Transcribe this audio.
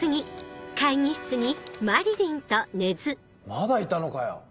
まだいたのかよ。